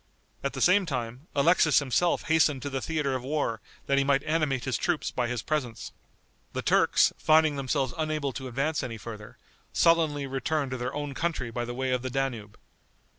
At the same time, Alexis himself hastened to the theater of war that he might animate his troops by his presence. The Turks, finding themselves unable to advance any further, sullenly returned to their own country by the way of the Danube.